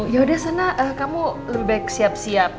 yaudah sana kamu lebih baik siap siap